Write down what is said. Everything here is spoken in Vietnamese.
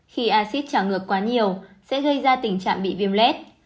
khi axit trào ngược quá nhiều sẽ gây ra tình trạng bị viêm lét